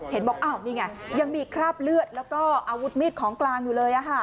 บอกอ้าวนี่ไงยังมีคราบเลือดแล้วก็อาวุธมีดของกลางอยู่เลย